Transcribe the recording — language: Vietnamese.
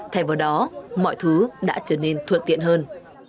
thay vào đó mọi thứ đã trở nên thuận tiện hơn